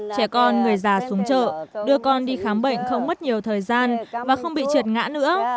trẻ con người già xuống chợ đưa con đi khám bệnh không mất nhiều thời gian và không bị trượt ngã nữa